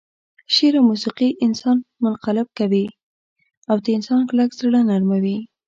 شعر او موسيقي انسان منقلب کوي او د انسان کلک زړه نرموي.